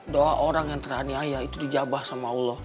doa orang yang teraniaya itu di jabah sama allah